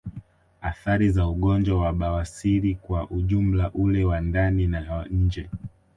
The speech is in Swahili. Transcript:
Athari za ugonjwa wa bawasiri kwa ujumla ule wa ndani na wa nje